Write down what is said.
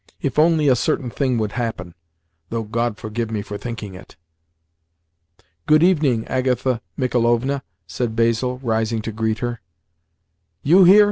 If only a certain thing would happen!—though God forgive me for thinking it!" "Good evening, Agatha Michaelovna," said Basil, rising to greet her. "You here?"